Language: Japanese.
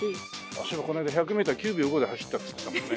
そういえば１００メートル９秒５で走ったって言ってたもんね。